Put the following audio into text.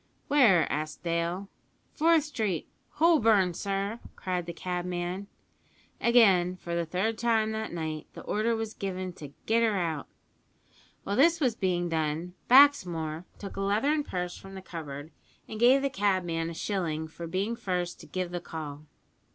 "Where?" asked Dale. "Forth Street, Holborn, sir!" cried the cabman. Again, for the third time that night, the order was given to "get her out." While this was being done, Baxmore took a leathern purse from the cupboard, and gave the cabman a shilling for being first to "give the call."